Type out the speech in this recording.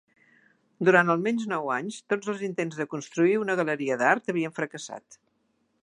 Durant almenys nou anys, tots els intents de construir una galeria d'art havien fracassat.